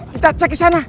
kita cek di sana